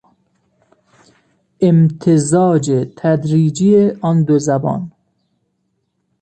امتزاج تدریجی آن دو زبان